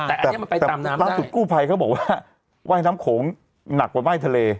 แต่อันนี้มันไปตามน้ำล่าสุดกู้ภัยเขาบอกว่าว่ายน้ำโขงหนักกว่าไหม้ทะเล